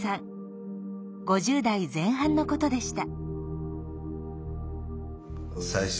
５０代前半のことでした。